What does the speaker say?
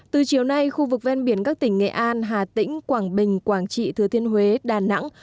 từ chiều nay khu vực ven biển các tỉnh nghệ an hà tĩnh quảng bình quảng trị thừa thiên huế đà nẵng